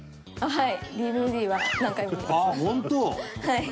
はい。